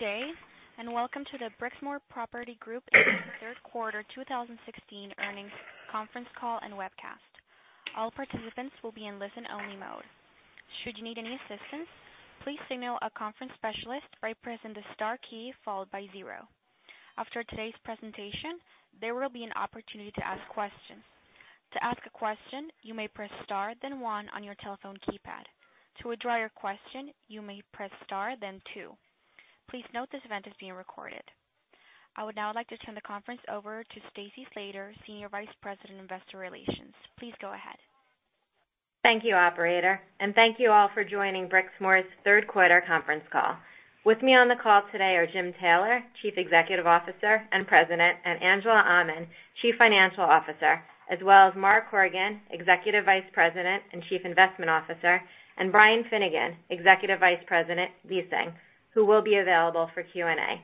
Good day. Welcome to the Brixmor Property Group third quarter 2016 earnings conference call and webcast. All participants will be in listen-only mode. Should you need any assistance, please signal a conference specialist by pressing the star key followed by zero. After today's presentation, there will be an opportunity to ask questions. To ask a question, you may press star then one on your telephone keypad. To withdraw your question, you may press star then two. Please note this event is being recorded. I would now like to turn the conference over to Stacy Slater, Senior Vice President, Investor Relations. Please go ahead. Thank you, operator. Thank you all for joining Brixmor's third quarter conference call. With me on the call today are Jim Taylor, Chief Executive Officer and President, Angela Aman, Chief Financial Officer, as well as Mark Horgan, Executive Vice President and Chief Investment Officer, and Brian Finnegan, Executive Vice President, Leasing, who will be available for Q&A.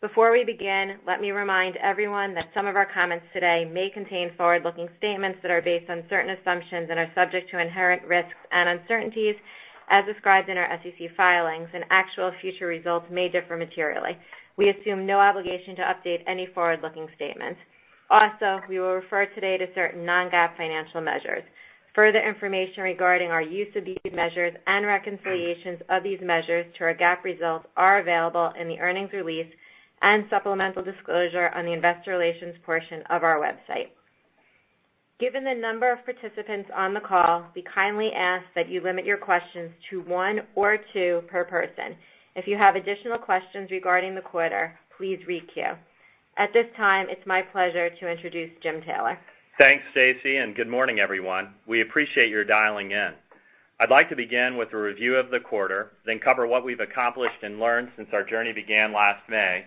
Before we begin, let me remind everyone that some of our comments today may contain forward-looking statements that are based on certain assumptions and are subject to inherent risks and uncertainties as described in our SEC filings, and actual future results may differ materially. We assume no obligation to update any forward-looking statements. Also, we will refer today to certain non-GAAP financial measures. Further information regarding our use of these measures and reconciliations of these measures to our GAAP results are available in the earnings release and supplemental disclosure on the investor relations portion of our website. Given the number of participants on the call, we kindly ask that you limit your questions to one or two per person. If you have additional questions regarding the quarter, please re-queue. At this time, it's my pleasure to introduce Jim Taylor. Thanks, Stacy. Good morning, everyone. We appreciate your dialing in. I'd like to begin with a review of the quarter, then cover what we've accomplished and learned since our journey began last May.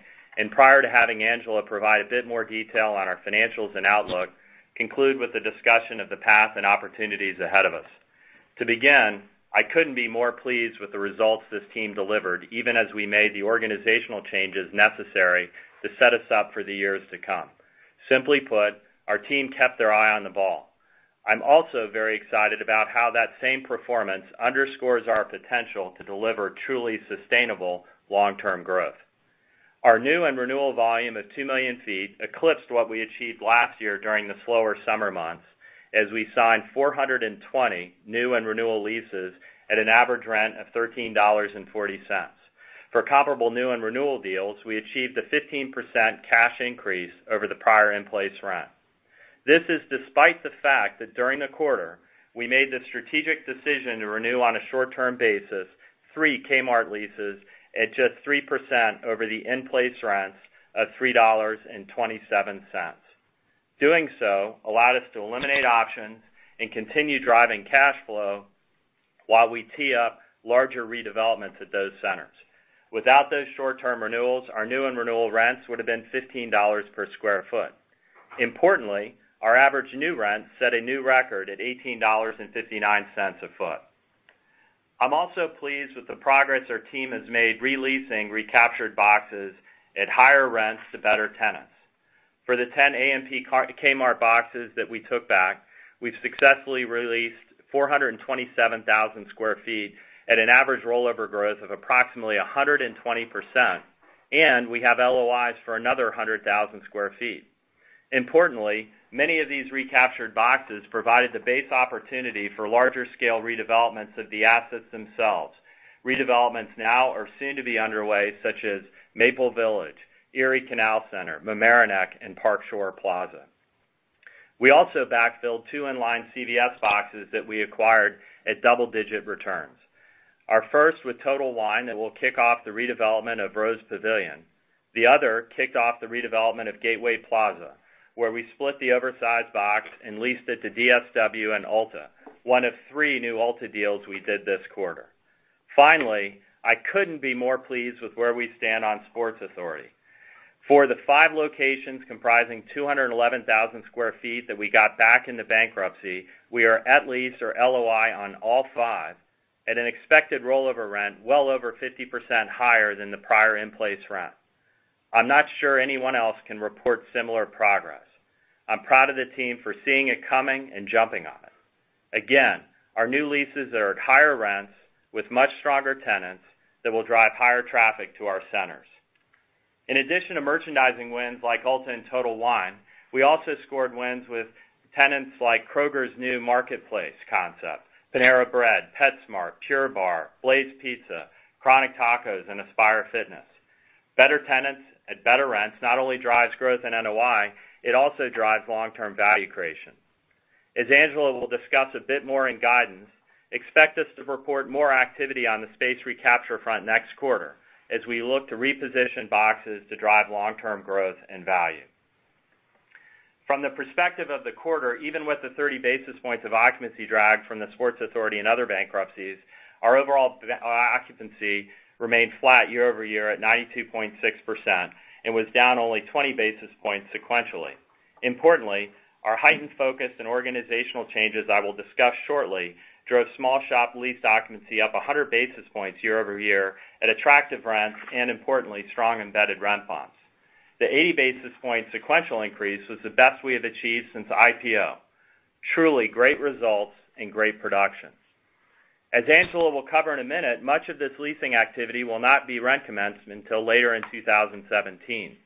Prior to having Angela provide a bit more detail on our financials and outlook, conclude with a discussion of the path and opportunities ahead of us. To begin, I couldn't be more pleased with the results this team delivered, even as we made the organizational changes necessary to set us up for the years to come. Simply put, our team kept their eye on the ball. I'm also very excited about how that same performance underscores our potential to deliver truly sustainable long-term growth. Our new and renewal volume of 2 million feet eclipsed what we achieved last year during the slower summer months, as we signed 420 new and renewal leases at an average rent of $13.40. For comparable new and renewal deals, we achieved a 15% cash increase over the prior in-place rent. This is despite the fact that during the quarter, we made the strategic decision to renew on a short-term basis three Kmart leases at just 3% over the in-place rents of $3.27. Doing so allowed us to eliminate options and continue driving cash flow while we tee up larger redevelopments at those centers. Without those short-term renewals, our new and renewal rents would've been $15 per square foot. Importantly, our average new rent set a new record at $18.59 a foot. I'm also pleased with the progress our team has made re-leasing recaptured boxes at higher rents to better tenants. For the 10 AMP Kmart boxes that we took back, we've successfully re-leased 427,000 square feet at an average rollover growth of approximately 120%, and we have LOIs for another 100,000 square feet. Importantly, many of these recaptured boxes provided the base opportunity for larger scale redevelopments of the assets themselves. Redevelopments now are soon to be underway, such as Maple Village, Erie Canal Center, Mamaroneck, and Park Shore Plaza. We also backfilled two in-line CVS boxes that we acquired at double-digit returns. Our first with Total Wine that will kick off the redevelopment of Rose Pavilion. The other kicked off the redevelopment of Gateway Plaza, where we split the oversized box and leased it to DSW and Ulta, one of three new Ulta deals we did this quarter. Finally, I couldn't be more pleased with where we stand on Sports Authority. For the five locations comprising 211,000 square feet that we got back in the bankruptcy, we are at lease or LOI on all five at an expected rollover rent well over 50% higher than the prior in-place rent. I'm not sure anyone else can report similar progress. I'm proud of the team for seeing it coming and jumping on it. Again, our new leases are at higher rents with much stronger tenants that will drive higher traffic to our centers. In addition to merchandising wins like Ulta and Total Wine, we also scored wins with tenants like Kroger's new marketplace concept, Panera Bread, PetSmart, Pure Barre, Blaze Pizza, Chronic Tacos, and Aspire Fitness. Better tenants at better rents not only drives growth in NOI, it also drives long-term value creation. As Angela will discuss a bit more in guidance, expect us to report more activity on the space recapture front next quarter as we look to reposition boxes to drive long-term growth and value. From the perspective of the quarter, even with the 30 basis points of occupancy drag from the Sports Authority and other bankruptcies, our overall occupancy remained flat year-over-year at 92.6% and was down only 20 basis points sequentially. Importantly, our heightened focus and organizational changes I will discuss shortly drove small shop lease occupancy up 100 basis points year-over-year at attractive rents and importantly, strong embedded rent bumps. The 80 basis point sequential increase was the best we have achieved since IPO. Truly great results and great production. As Angela will cover in a minute, much of this leasing activity will not be rent commencement until later in 2017.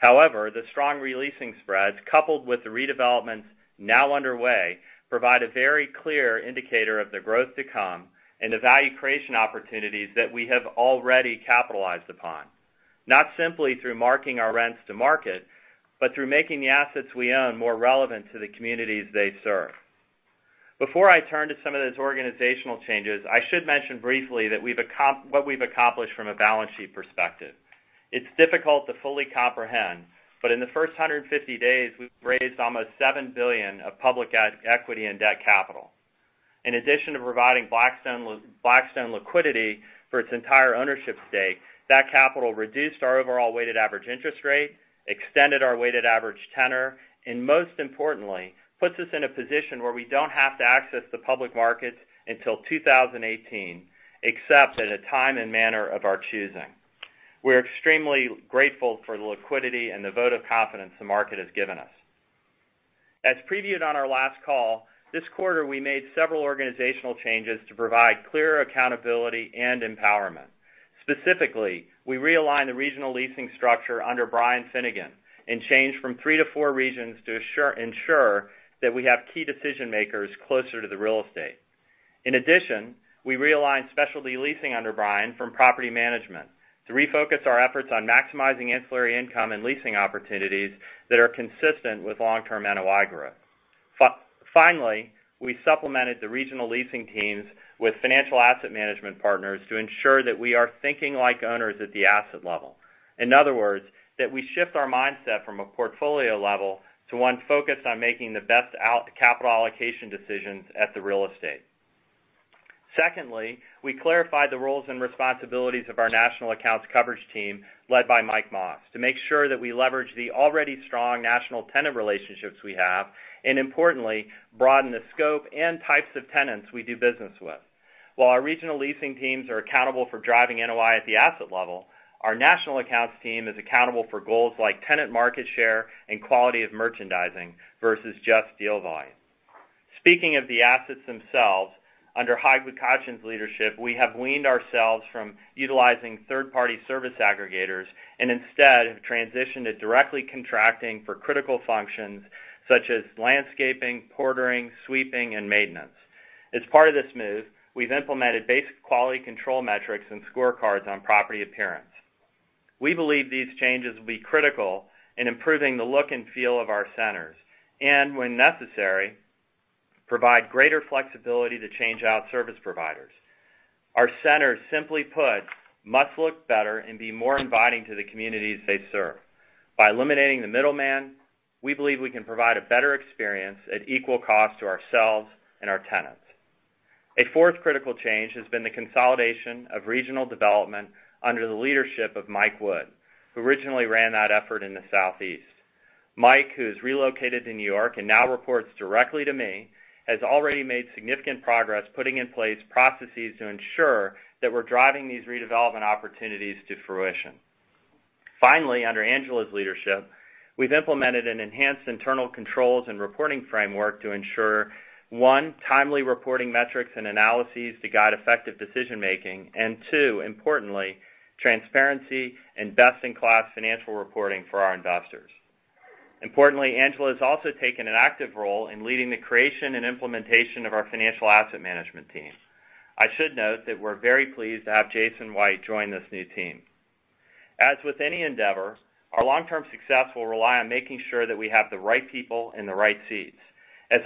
The strong re-leasing spreads, coupled with the redevelopments now underway, provide a very clear indicator of the growth to come and the value creation opportunities that we have already capitalized upon. Not simply through marking our rents to market, but through making the assets we own more relevant to the communities they serve. Before I turn to some of those organizational changes, I should mention briefly what we've accomplished from a balance sheet perspective. It's difficult to fully comprehend, but in the first 150 days, we've raised almost $7 billion of public equity and debt capital. In addition to providing Blackstone liquidity for its entire ownership stake, that capital reduced our overall weighted average interest rate, extended our weighted average tenor, and most importantly, puts us in a position where we don't have to access the public markets until 2018, except at a time and manner of our choosing. We're extremely grateful for the liquidity and the vote of confidence the market has given us. As previewed on our last call, this quarter we made several organizational changes to provide clear accountability and empowerment. Specifically, we realigned the regional leasing structure under Brian Finnegan and changed from three to four regions to ensure that we have key decision-makers closer to the real estate. In addition, we realigned specialty leasing under Brian from property management to refocus our efforts on maximizing ancillary income and leasing opportunities that are consistent with long-term NOI growth. Finally, we supplemented the regional leasing teams with financial asset management partners to ensure that we are thinking like owners at the asset level. In other words, that we shift our mindset from a portfolio level to one focused on making the best capital allocation decisions at the real estate. Secondly, we clarified the roles and responsibilities of our national accounts coverage team led by Mike Moss to make sure that we leverage the already strong national tenant relationships we have, and importantly, broaden the scope and types of tenants we do business with. While our regional leasing teams are accountable for driving NOI at the asset level, our national accounts team is accountable for goals like tenant market share and quality of merchandising versus just deal volume. Speaking of the assets themselves, under leadership, we have weaned ourselves from utilizing third-party service aggregators and instead have transitioned to directly contracting for critical functions such as landscaping, portering, sweeping, and maintenance. As part of this move, we've implemented basic quality control metrics and scorecards on property appearance. We believe these changes will be critical in improving the look and feel of our centers, and when necessary, provide greater flexibility to change out service providers. Our centers, simply put, must look better and be more inviting to the communities they serve. By eliminating the middleman, we believe we can provide a better experience at equal cost to ourselves and our tenants. A fourth critical change has been the consolidation of regional development under the leadership of Mike Wood, who originally ran that effort in the Southeast. Mike, who's relocated to New York and now reports directly to me, has already made significant progress putting in place processes to ensure that we're driving these redevelopment opportunities to fruition. Under Angela's leadership, we've implemented an enhanced internal controls and reporting framework to ensure, 1, timely reporting metrics and analyses to guide effective decision making, and 2, importantly, transparency and best-in-class financial reporting for our investors. Importantly, Angela has also taken an active role in leading the creation and implementation of our financial asset management team. I should note that we're very pleased to have Jason White join this new team. With any endeavor, our long-term success will rely on making sure that we have the right people in the right seats.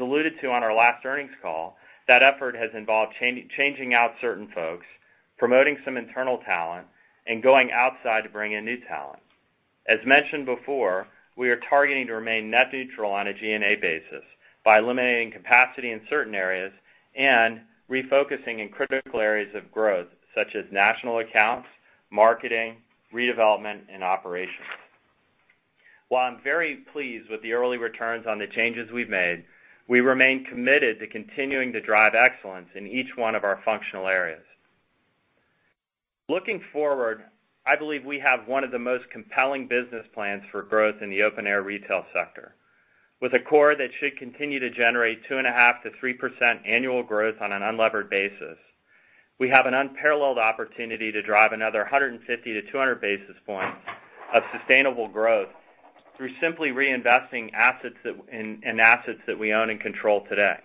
Alluded to on our last earnings call, that effort has involved changing out certain folks, promoting some internal talent, and going outside to bring in new talent. Mentioned before, we are targeting to remain net neutral on a G&A basis by eliminating capacity in certain areas and refocusing in critical areas of growth such as national accounts, marketing, redevelopment, and operations. While I'm very pleased with the early returns on the changes we've made, we remain committed to continuing to drive excellence in each 1 of our functional areas. Looking forward, I believe we have 1 of the most compelling business plans for growth in the open-air retail sector. With a core that should continue to generate 2.5%-3% annual growth on an unlevered basis, we have an unparalleled opportunity to drive another 150-200 basis points of sustainable growth through simply reinvesting in assets that we own and control today.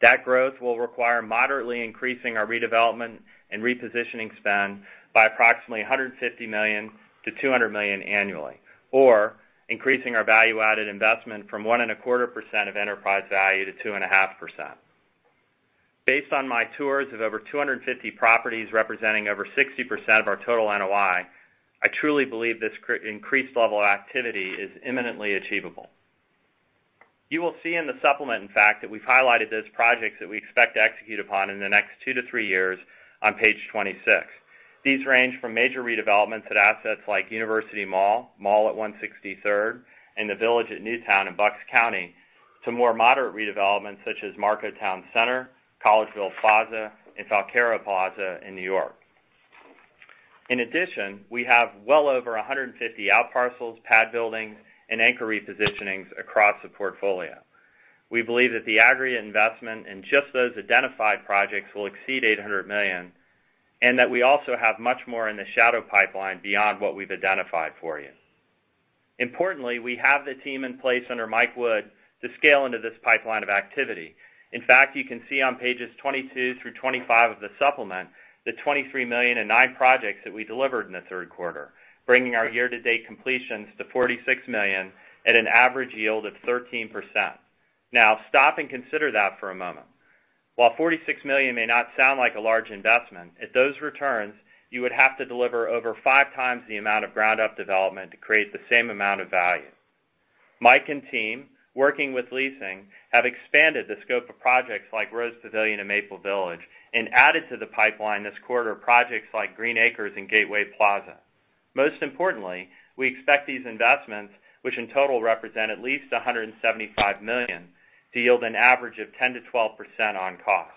That growth will require moderately increasing our redevelopment and repositioning spend by approximately $150 million-$200 million annually, or increasing our value-added investment from 1.25%-2.5% of enterprise value. Based on my tours of over 250 properties representing over 60% of our total NOI, I truly believe this increased level of activity is imminently achievable. You will see in the supplement, in fact, that we've highlighted those projects that we expect to execute upon in the next two to three years on page 26. These range from major redevelopments at assets like University Mall at 163rd, and The Village at Newtown in Bucks County, to more moderate redevelopments such as Marco Towne Centre, Collegeville Plaza, and Falcaro Plaza in N.Y. In addition, we have well over 150 outparcels, pad buildings, and anchor repositionings across the portfolio. We believe that the aggregate investment in just those identified projects will exceed $800 million, and that we also have much more in the shadow pipeline beyond what we've identified for you. Importantly, we have the team in place under Mike Wood to scale into this pipeline of activity. In fact, you can see on pages 22-25 of the supplement the $23 million in nine projects that we delivered in the third quarter, bringing our year-to-date completions to $46 million at an average yield of 13%. Stop and consider that for a moment. While $46 million may not sound like a large investment, at those returns, you would have to deliver over five times the amount of ground-up development to create the same amount of value. Mike and team, working with leasing, have expanded the scope of projects like Rose Pavilion and Maple Village and added to the pipeline this quarter projects like Green Acres and Gateway Plaza. Most importantly, we expect these investments, which in total represent at least $175 million, to yield an average of 10%-12% on cost.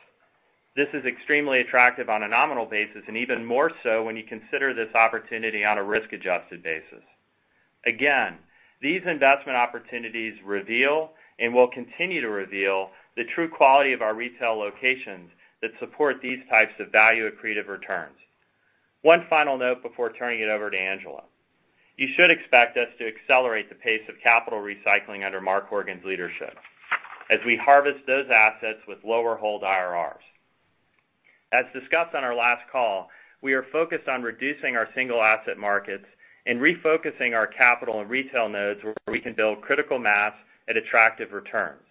This is extremely attractive on a nominal basis and even more so when you consider this opportunity on a risk-adjusted basis. Again, these investment opportunities reveal and will continue to reveal the true quality of our retail locations that support these types of value-accretive returns. One final note before turning it over to Angela. You should expect us to accelerate the pace of capital recycling under Mark Horgan's leadership as we harvest those assets with lower hold IRRs. As discussed on our last call, we are focused on reducing our single asset markets and refocusing our capital and retail nodes where we can build critical mass at attractive returns.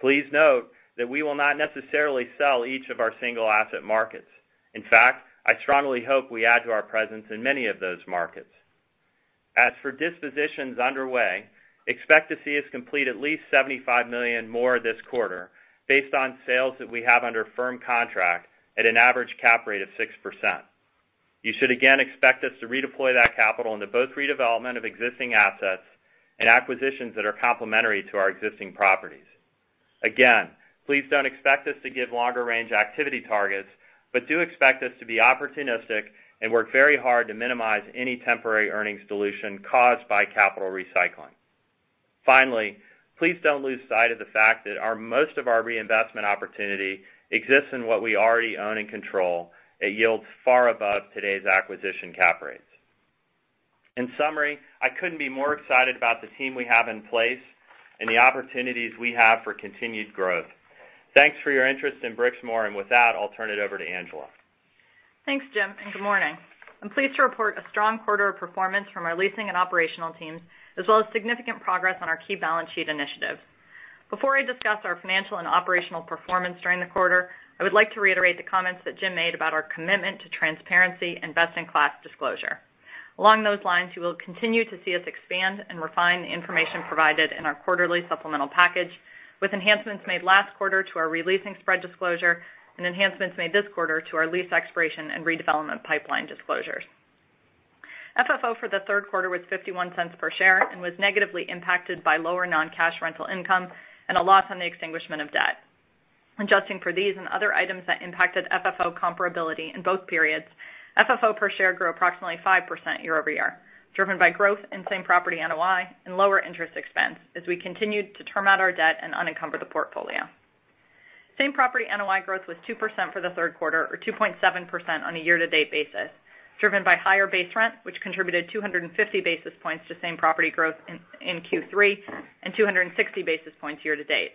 Please note that we will not necessarily sell each of our single asset markets. In fact, I strongly hope we add to our presence in many of those markets. As for dispositions underway, expect to see us complete at least $75 million more this quarter based on sales that we have under firm contract at an average cap rate of 6%. You should again expect us to redeploy that capital into both redevelopment of existing assets and acquisitions that are complementary to our existing properties. Again, please don't expect us to give longer-range activity targets, but do expect us to be opportunistic and work very hard to minimize any temporary earnings dilution caused by capital recycling. Finally, please don't lose sight of the fact that most of our reinvestment opportunity exists in what we already own and control. It yields far above today's acquisition cap rates. In summary, I couldn't be more excited about the team we have in place and the opportunities we have for continued growth. Thanks for your interest in Brixmor, and with that, I'll turn it over to Angela. Thanks, Jim, and good morning. I'm pleased to report a strong quarter of performance from our leasing and operational teams, as well as significant progress on our key balance sheet initiatives. Before I discuss our financial and operational performance during the quarter, I would like to reiterate the comments that Jim made about our commitment to transparency and best-in-class disclosure. Along those lines, you will continue to see us expand and refine the information provided in our quarterly supplemental package with enhancements made last quarter to our re-leasing spread disclosure and enhancements made this quarter to our lease expiration and redevelopment pipeline disclosures. FFO for the third quarter was $0.51 per share and was negatively impacted by lower non-cash rental income and a loss on the extinguishment of debt. Adjusting for these and other items that impacted FFO comparability in both periods, FFO per share grew approximately 5% year-over-year, driven by growth in same-property NOI and lower interest expense as we continued to term out our debt and unencumber the portfolio. Same-property NOI growth was 2% for the third quarter or 2.7% on a year-to-date basis, driven by higher base rent, which contributed 250 basis points to same-property growth in Q3 and 260 basis points year to date.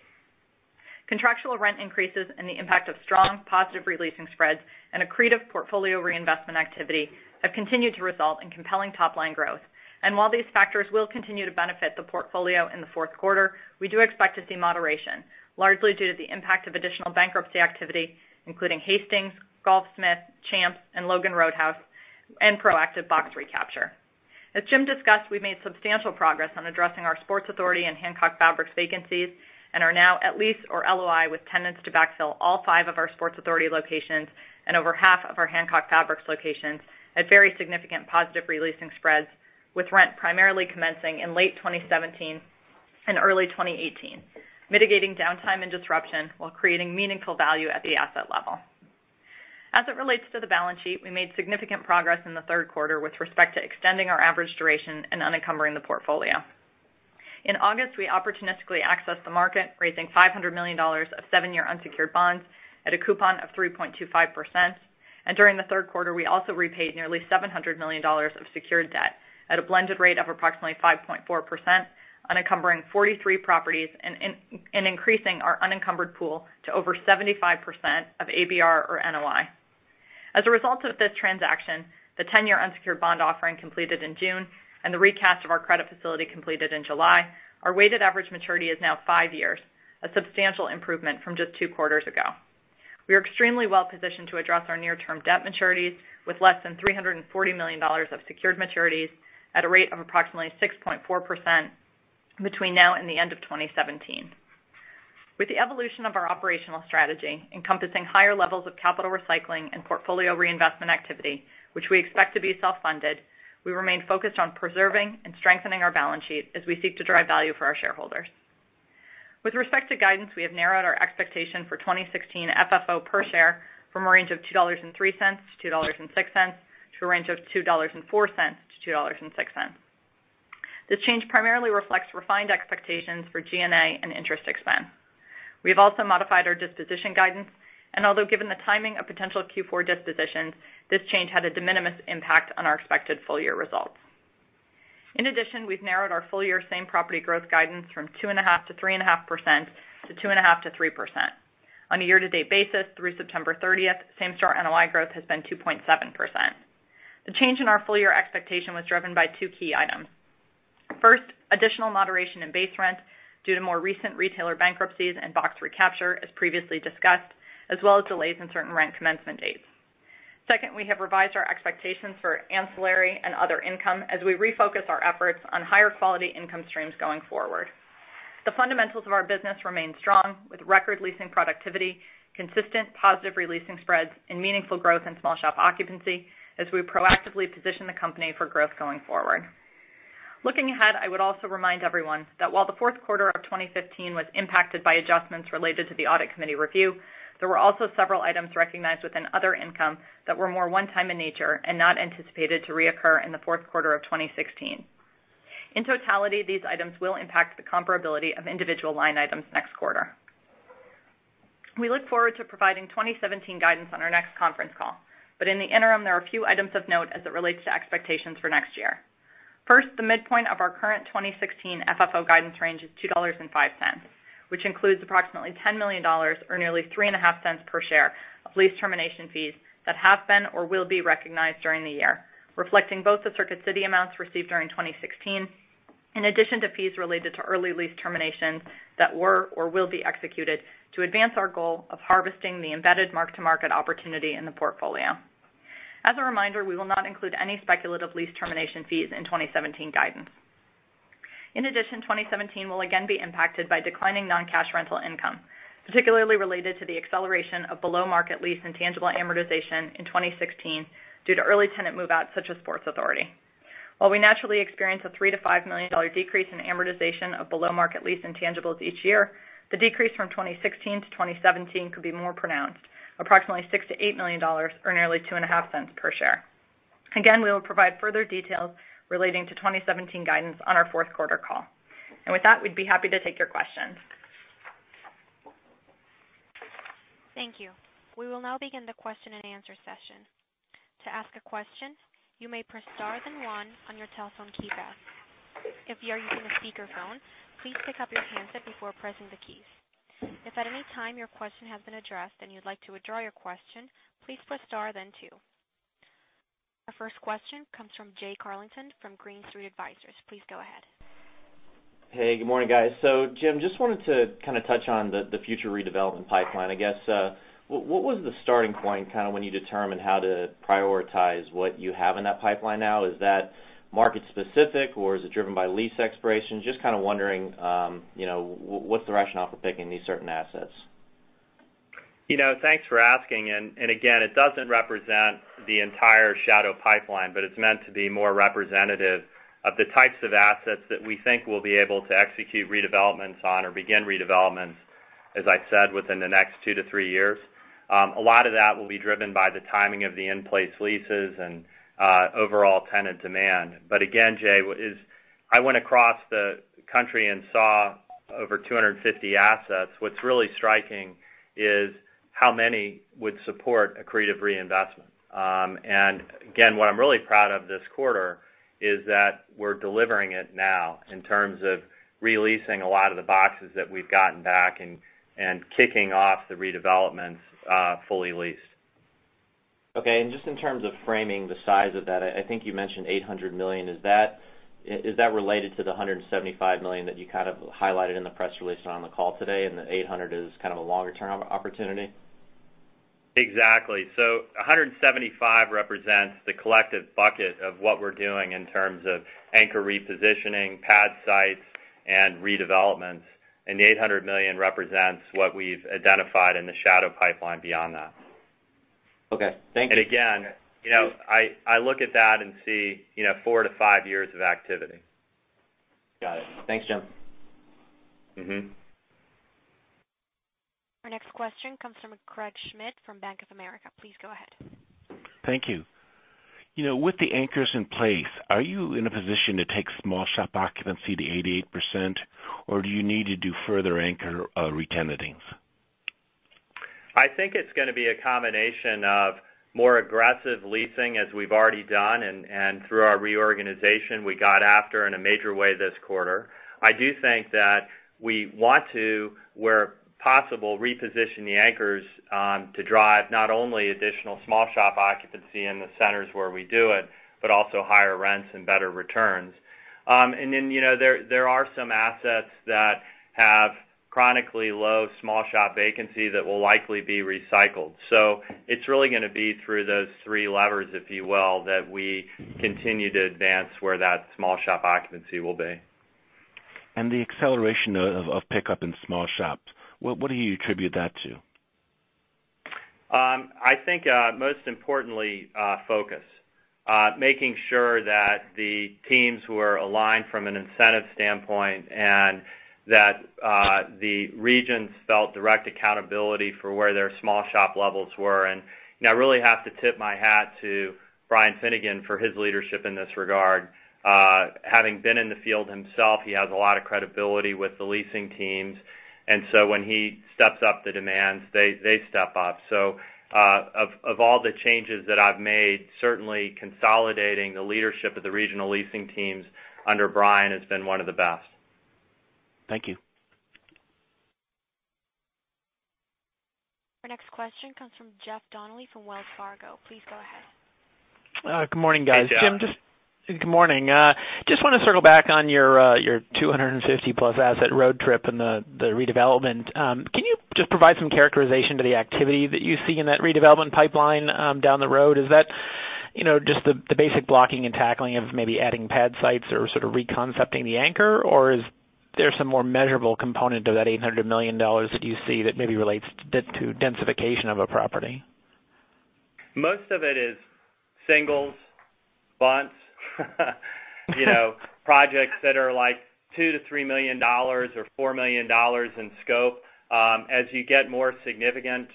Contractual rent increases and the impact of strong positive re-leasing spreads and accretive portfolio reinvestment activity have continued to result in compelling top-line growth. While these factors will continue to benefit the portfolio in the fourth quarter, we do expect to see moderation, largely due to the impact of additional bankruptcy activity, including Hastings, Golfsmith, Champps, and Logan's Roadhouse, and proactive box recapture. As Jim discussed, we've made substantial progress on addressing our Sports Authority and Hancock Fabrics vacancies and are now at lease or LOI with tenants to backfill all five of our Sports Authority locations and over half of our Hancock Fabrics locations at very significant positive re-leasing spreads with rent primarily commencing in late 2017 and early 2018, mitigating downtime and disruption while creating meaningful value at the asset level. As it relates to the balance sheet, we made significant progress in the third quarter with respect to extending our average duration and unencumbering the portfolio. In August, we opportunistically accessed the market, raising $500 million of seven-year unsecured bonds at a coupon of 3.25%, and during the third quarter, we also repaid nearly $700 million of secured debt at a blended rate of approximately 5.4%, unencumbering 43 properties and increasing our unencumbered pool to over 75% of ABR or NOI. As a result of this transaction, the 10-year unsecured bond offering completed in June and the recast of our credit facility completed in July. Our weighted average maturity is now five years, a substantial improvement from just two quarters ago. We are extremely well-positioned to address our near-term debt maturities with less than $340 million of secured maturities at a rate of approximately 6.4% between now and the end of 2017. With the evolution of our operational strategy encompassing higher levels of capital recycling and portfolio reinvestment activity, which we expect to be self-funded, we remain focused on preserving and strengthening our balance sheet as we seek to drive value for our shareholders. With respect to guidance, we have narrowed our expectation for 2016 FFO per share from a range of $2.03-$2.06, to a range of $2.04-$2.06. This change primarily reflects refined expectations for G&A and interest expense. We've also modified our disposition guidance, and although given the timing of potential Q4 dispositions, this change had a de minimis impact on our expected full-year results. In addition, we've narrowed our full-year same property growth guidance from 2.5%-3.5%, to 2.5%-3%. On a year-to-date basis through September 30th, same-store NOI growth has been 2.7%. The change in our full-year expectation was driven by two key items. First, additional moderation in base rent due to more recent retailer bankruptcies and box recapture, as previously discussed, as well as delays in certain rent commencement dates. Second, we have revised our expectations for ancillary and other income as we refocus our efforts on higher quality income streams going forward. The fundamentals of our business remain strong with record leasing productivity, consistent positive re-leasing spreads, and meaningful growth in small shop occupancy as we proactively position the company for growth going forward. Looking ahead, I would also remind everyone that while the fourth quarter of 2015 was impacted by adjustments related to the audit committee review, there were also several items recognized within other income that were more one time in nature and not anticipated to reoccur in the fourth quarter of 2016. In totality, these items will impact the comparability of individual line items next quarter. We look forward to providing 2017 guidance on our next conference call. In the interim, there are a few items of note as it relates to expectations for next year. First, the midpoint of our current 2016 FFO guidance range is $2.05, which includes approximately $10 million, or nearly $0.035 per share of lease termination fees that have been or will be recognized during the year, reflecting both the Circuit City amounts received during 2016, in addition to fees related to early lease terminations that were or will be executed to advance our goal of harvesting the embedded mark-to-market opportunity in the portfolio. As a reminder, we will not include any speculative lease termination fees in 2017 guidance. In addition, 2017 will again be impacted by declining non-cash rental income, particularly related to the acceleration of below-market lease and tangible amortization in 2016 due to early tenant move-outs such as Sports Authority. While we naturally experience a $3 million to $5 million decrease in amortization of below-market lease intangibles each year, the decrease from 2016 to 2017 could be more pronounced, approximately $6 million to $8 million, or nearly $0.025 per share. Again, we will provide further details relating to 2017 guidance on our fourth quarter call. With that, we'd be happy to take your questions. Thank you. We will now begin the question and answer session. To ask a question, you may press star then one on your telephone keypad. If you are using a speakerphone, please pick up your handset before pressing the keys. If at any time your question has been addressed and you'd like to withdraw your question, please press star then two. Our first question comes from Jay Carlington from Green Street Advisors. Please go ahead. Good morning, guys. Jim, just wanted to touch on the future redevelopment pipeline, I guess. What was the starting point when you determined how to prioritize what you have in that pipeline now? Is that market specific, or is it driven by lease expiration? Just kind of wondering, what's the rationale for picking these certain assets? Thanks for asking. Again, it doesn't represent the entire shadow pipeline, but it's meant to be more representative of the types of assets that we think we'll be able to execute redevelopments on or begin redevelopments, as I said, within the next 2 to 3 years. A lot of that will be driven by the timing of the in-place leases and overall tenant demand. Again, Jay, I went across the country and saw over 250 assets. What's really striking is how many would support accretive reinvestment. Again, what I'm really proud of this quarter is that we're delivering it now in terms of re-leasing a lot of the boxes that we've gotten back and kicking off the redevelopments fully leased. Okay, just in terms of framing the size of that, I think you mentioned $800 million. Is that related to the $175 million that you kind of highlighted in the press release and on the call today, and the $800 million is kind of a longer-term opportunity? Exactly. $175 million represents the collective bucket of what we're doing in terms of anchor repositioning, pad sites, and redevelopments. The $800 million represents what we've identified in the shadow pipeline beyond that. Okay. Thank you. Again, I look at that and see four to five years of activity. Got it. Thanks, Jim. Our next question comes from Craig Schmidt from Bank of America. Please go ahead. Thank you. With the anchors in place, are you in a position to take small shop occupancy to 88%, or do you need to do further anchor retenantings? I think it's going to be a combination of more aggressive leasing, as we've already done, and through our reorganization, we got after in a major way this quarter. I do think that we want to, where possible, reposition the anchors to drive not only additional small shop occupancy in the centers where we do it, but also higher rents and better returns. There are some assets that have chronically low small shop vacancy that will likely be recycled. It's really going to be through those three levers, if you will, that we continue to advance where that small shop occupancy will be. The acceleration of pickup in small shops, what do you attribute that to? I think, most importantly, focus. Making sure that the teams were aligned from an incentive standpoint, and that the regions felt direct accountability for where their small shop levels were. I really have to tip my hat to Brian Finnegan for his leadership in this regard. Having been in the field himself, he has a lot of credibility with the leasing teams. When he steps up the demands, they step up. Of all the changes that I've made, certainly consolidating the leadership of the regional leasing teams under Brian has been one of the best. Thank you. Our next question comes from Jeff Donnelly from Wells Fargo. Please go ahead. Good morning, guys. Hey, Jeff. Jim, good morning. Just want to circle back on your 250+ asset road trip and the redevelopment. Can you just provide some characterization to the activity that you see in that redevelopment pipeline down the road? Is that just the basic blocking and tackling of maybe adding pad sites or sort of reconcepting the anchor, or is there some more measurable component of that $800 million that you see that maybe relates to densification of a property? Most of it is singles, bunts. Projects that are like $2 million to $3 million or $4 million in scope. As you get more significant,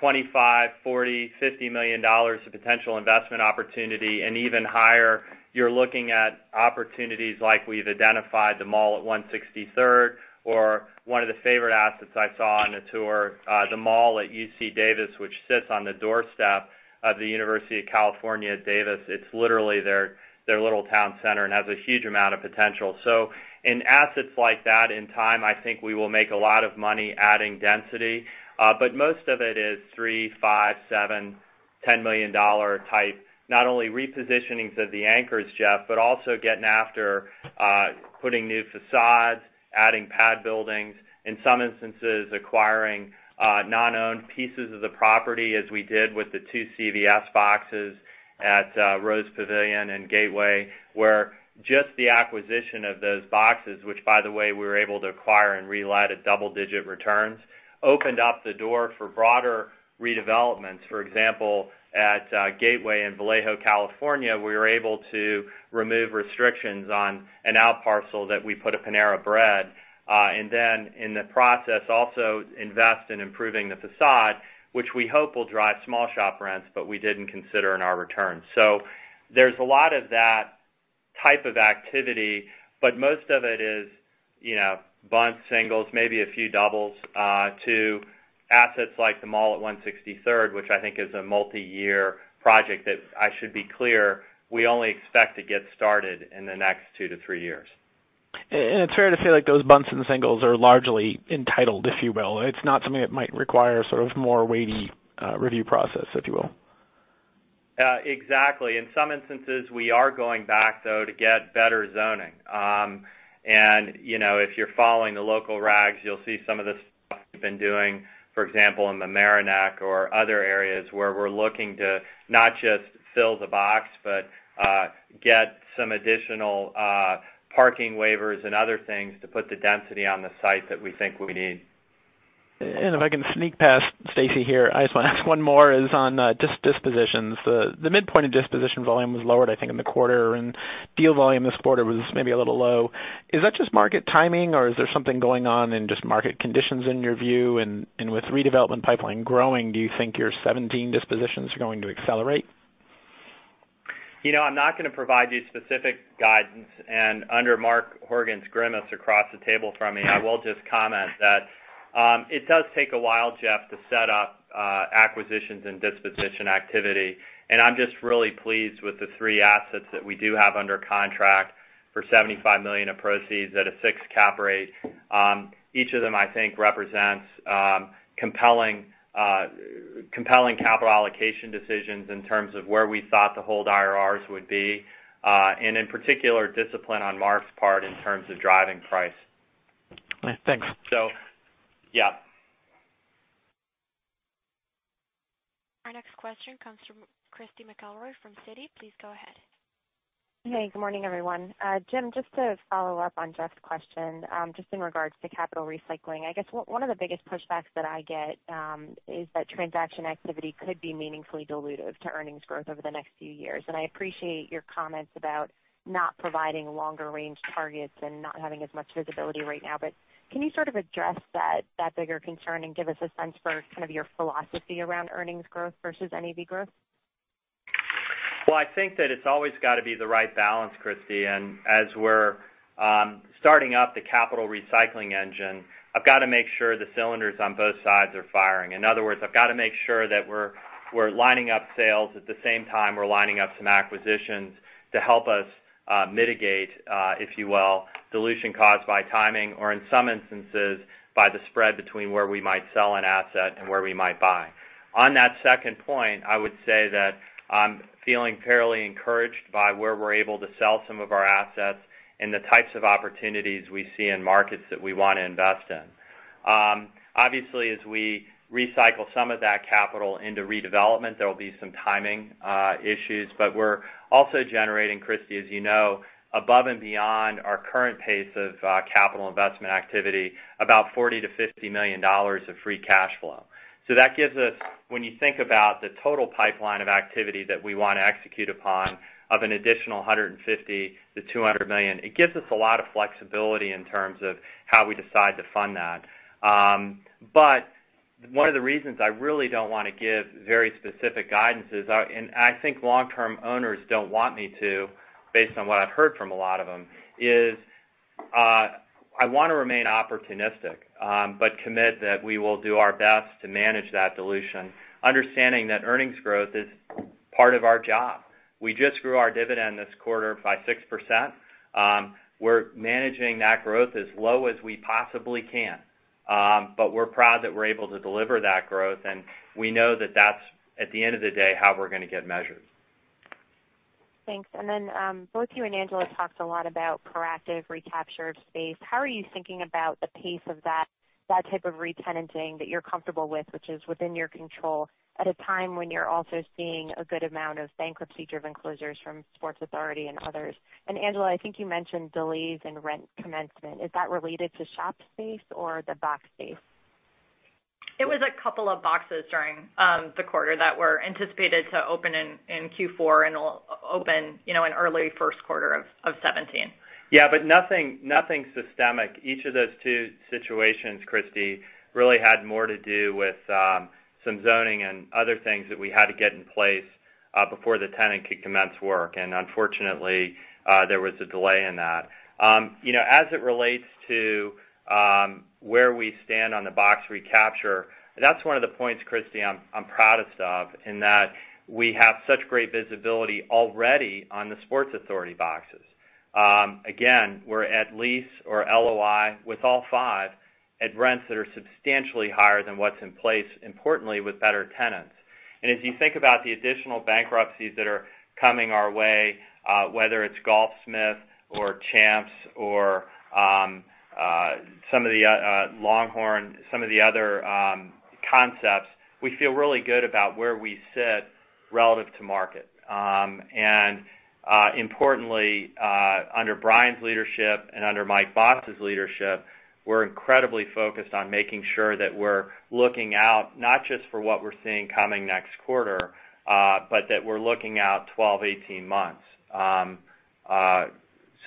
$25 million, $40 million, $50 million of potential investment opportunity and even higher, you're looking at opportunities like we've identified the mall at 163rd, or one of the favorite assets I saw on the tour, the mall at UC Davis, which sits on the doorstep of the University of California, Davis. It's literally their little town center and has a huge amount of potential. In assets like that, in time, I think we will make a lot of money adding density. But most of it is 3, 5, 7, $10 million type, not only repositionings of the anchors, Jeff, but also getting after putting new facades, adding pad buildings. In some instances, acquiring non-owned pieces of the property as we did with the two CVS boxes at Rose Pavilion and Gateway, where just the acquisition of those boxes, which by the way, we were able to acquire and relet at double-digit returns, opened up the door for broader redevelopments. For example, at Gateway in Vallejo, California, we were able to remove restrictions on an out parcel that we put a Panera Bread. In the process, also invest in improving the facade, which we hope will drive small shop rents, but we didn't consider in our returns. There's a lot of that type of activity, but most of it is bunts, singles, maybe a few doubles to assets like the mall at 163rd, which I think is a multi-year project that I should be clear, we only expect to get started in the next two to three years. It's fair to say, like those bunts and singles are largely entitled, if you will. It's not something that might require sort of more weighty review process, if you will. Exactly. In some instances, we are going back, though, to get better zoning. If you're following the local rags, you'll see some of this we've been doing, for example, in Mamaroneck or other areas where we're looking to not just fill the box, but get some additional parking waivers and other things to put the density on the site that we think we need. If I can sneak past Stacy here, I just want to ask one more is on dispositions. The midpoint of disposition volume was lowered, I think, in the quarter, and deal volume this quarter was maybe a little low. Is that just market timing, or is there something going on in just market conditions in your view? With redevelopment pipeline growing, do you think your 17 dispositions are going to accelerate? I'm not going to provide you specific guidance. Under Mark Horgan's grimace across the table from me, I will just comment that it does take a while, Jeff, to set up acquisitions and disposition activity. I'm just really pleased with the three assets that we do have under contract for $75 million of proceeds at a fixed cap rate. Each of them, I think, represents compelling capital allocation decisions in terms of where we thought the hold IRRs would be. In particular, discipline on Mark's part in terms of driving price. Thanks. Yeah. Our next question comes from Christy McElroy from Citi. Please go ahead. Hey, good morning, everyone. Jim, just to follow up on Jeff's question, just in regards to capital recycling. I guess one of the biggest pushbacks that I get is that transaction activity could be meaningfully dilutive to earnings growth over the next few years. I appreciate your comments about not providing longer range targets and not having as much visibility right now. Can you sort of address that bigger concern and give us a sense for kind of your philosophy around earnings growth versus NAV growth? Well, I think that it's always got to be the right balance, Christy. As we're starting up the capital recycling engine, I've got to make sure the cylinders on both sides are firing. In other words, I've got to make sure that we're lining up sales at the same time we're lining up some acquisitions to help us mitigate, if you will, dilution caused by timing or in some instances, by the spread between where we might sell an asset and where we might buy. On that second point, I would say that I'm feeling fairly encouraged by where we're able to sell some of our assets and the types of opportunities we see in markets that we want to invest in. Obviously, as we recycle some of that capital into redevelopment, there will be some timing issues. We're also generating, Christy, as you know, above and beyond our current pace of capital investment activity, about $40 million to $50 million of free cash flow. That gives us, when you think about the total pipeline of activity that we want to execute upon, of an additional $150 million to $200 million, it gives us a lot of flexibility in terms of how we decide to fund that. One of the reasons I really don't want to give very specific guidance is, and I think long-term owners don't want me to, based on what I've heard from a lot of them, is I want to remain opportunistic, but commit that we will do our best to manage that dilution, understanding that earnings growth is part of our job. We just grew our dividend this quarter by 6%. We're managing that growth as low as we possibly can. We're proud that we're able to deliver that growth, and we know that that's, at the end of the day, how we're going to get measured. Thanks. Both you and Angela talked a lot about proactive recapture of space. How are you thinking about the pace of that type of re-tenanting that you're comfortable with, which is within your control, at a time when you're also seeing a good amount of bankruptcy-driven closures from Sports Authority and others? Angela, I think you mentioned delays in rent commencement. Is that related to shop space or the box space? It was a couple of boxes during the quarter that were anticipated to open in Q4 and open in early first quarter of 2017. Yeah, nothing systemic. Each of those two situations, Christy, really had more to do with some zoning and other things that we had to get in place before the tenant could commence work. Unfortunately, there was a delay in that. As it relates to where we stand on the box recapture, that's one of the points, Christy, I'm proudest of, in that we have such great visibility already on the Sports Authority boxes. Again, we're at lease or LOI with all five at rents that are substantially higher than what's in place, importantly, with better tenants. If you think about the additional bankruptcies that are coming our way, whether it's Golfsmith or Champps or LongHorn, some of the other concepts, we feel really good about where we sit relative to market. Importantly, under Brian's leadership and under Mike Moss's leadership, we're incredibly focused on making sure that we're looking out not just for what we're seeing coming next quarter, but that we're looking out 12, 18 months, so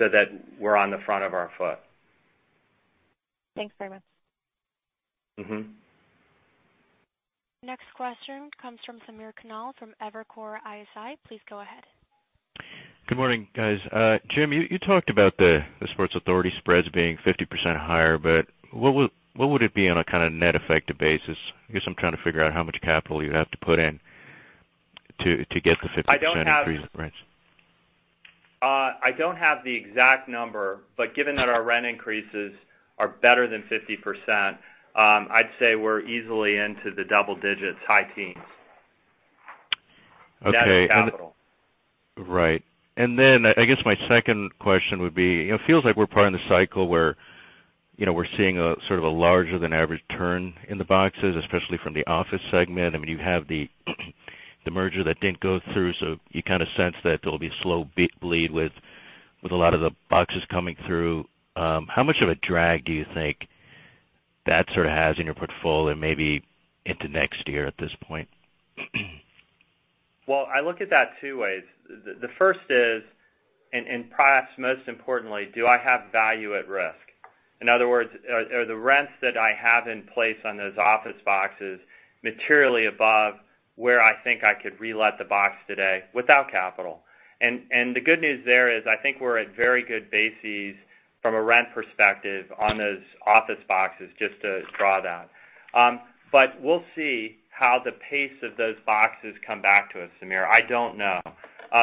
that we're on the front of our foot. Thanks very much. Next question comes from Samir Khanal from Evercore ISI. Please go ahead. Good morning, guys. Jim, you talked about the Sports Authority spreads being 50% higher, what would it be on a kind of net effective basis? I guess I'm trying to figure out how much capital you would have to put in to get the 50% increase in rents. I don't have the exact number, given that our rent increases are better than 50%, I'd say we're easily into the double digits, high teens. Okay. Net of capital. Right. I guess my second question would be, it feels like we're probably in the cycle where we're seeing a sort of a larger than average turn in the boxes, especially from the office segment. You have the merger that didn't go through, you kind of sense that there'll be slow bleed with a lot of the boxes coming through. How much of a drag do you think that sort of has in your portfolio, maybe into next year at this point? Well, I look at that two ways. The first is, and perhaps most importantly, do I have value at risk? In other words, are the rents that I have in place on those office boxes materially above where I think I could re-let the box today without capital? The good news there is, I think we're at very good bases from a rent perspective on those office boxes, just to draw that. We'll see how the pace of those boxes come back to us, Samir. I don't know.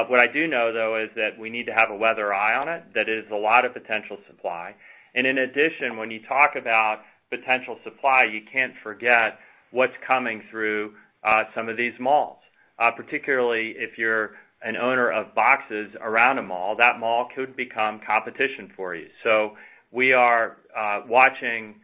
What I do know, though, is that we need to have a weather eye on it. That is a lot of potential supply. In addition, when you talk about potential supply, you can't forget what's coming through some of these malls. Particularly if you're an owner of boxes around a mall, that mall could become competition for you. We are watching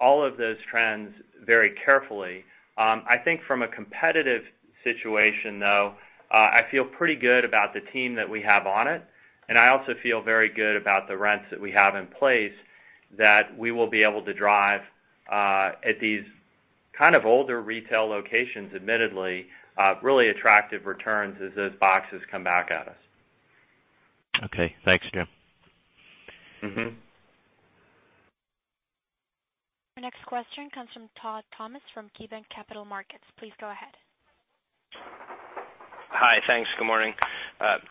all of those trends very carefully. I think from a competitive situation, though, I feel pretty good about the team that we have on it, and I also feel very good about the rents that we have in place that we will be able to drive at these kind of older retail locations, admittedly, really attractive returns as those boxes come back at us. Okay, thanks, Jim. Our next question comes from Todd Thomas from KeyBanc Capital Markets. Please go ahead. Hi. Thanks. Good morning.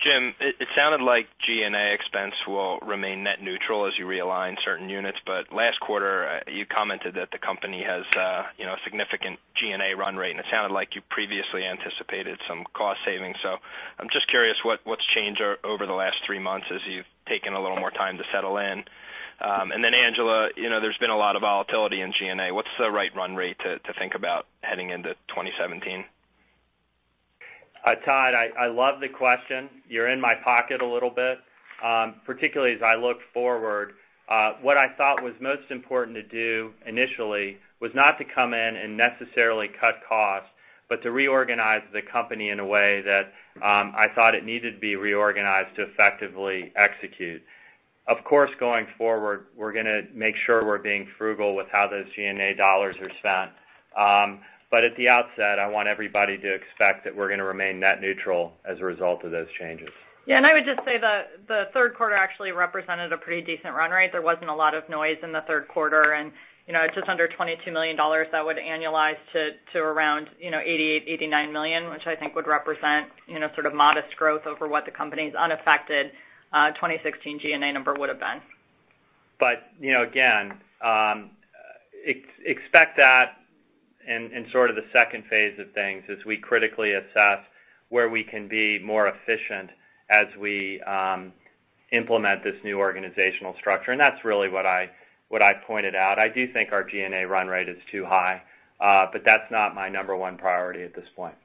Jim, it sounded like G&A expense will remain net neutral as you realign certain units. Last quarter, you commented that the company has a significant G&A run rate, and it sounded like you previously anticipated some cost savings. I'm just curious what's changed over the last three months as you've taken a little more time to settle in. Angela, there's been a lot of volatility in G&A. What's the right run rate to think about heading into 2017? Todd, I love the question. You're in my pocket a little bit. Particularly as I look forward, what I thought was most important to do initially was not to come in and necessarily cut costs, but to reorganize the company in a way that I thought it needed to be reorganized to effectively execute. Of course, going forward, we're going to make sure we're being frugal with how those G&A dollars are spent. At the outset, I want everybody to expect that we're going to remain net neutral as a result of those changes. I would just say the third quarter actually represented a pretty decent run rate. There wasn't a lot of noise in the third quarter, just under $22 million, that would annualize to around $88 million-$89 million, which I think would represent sort of modest growth over what the company's unaffected 2016 G&A number would've been. Again, expect that in sort of the second phase of things as we critically assess where we can be more efficient as we implement this new organizational structure. That's really what I pointed out. I do think our G&A run rate is too high. That's not my number one priority at this point.